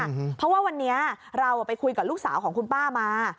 เพราะว่าวันนี้เราไปคุยกับลูกสาวของคุณป้ามา